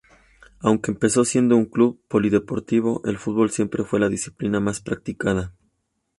Aunque empezó siendo un club polideportivo, el fútbol siempre fue la disciplina más practicada.